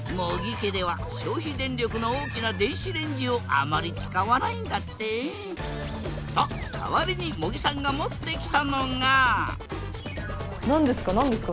家では消費電力の大きな電子レンジをあまり使わないんだって。と代わりに茂木さんが持ってきたのが何ですか何ですか？